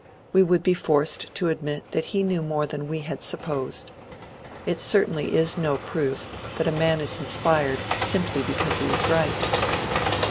We would be forced to admit that he knew more than we had supposed. It certainly is no proof that a man is inspired simply because he is right.